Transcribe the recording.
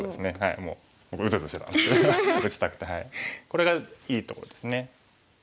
これがいいところですね。